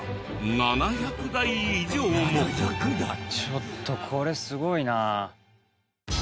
ちょっとこれすごいな。